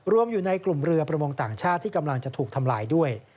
รวมอยู่ในกลุ่มเรือประมงต่างชาติที่กำลังจะถูกทำลายด้วย